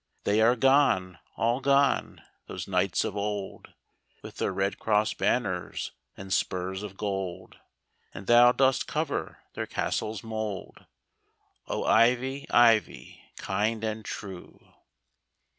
They are gone, all gone, those knights of old. With their red cross banners and spurs of gold, And thou dost cover their castle's mould, O, Ivy, Ivy, kind and true